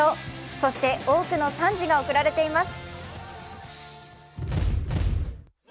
そして、多くの賛辞が贈られています。